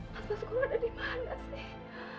mas baskoro ada dimana sih